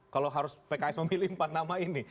kalau harus pks memilih empat nama ini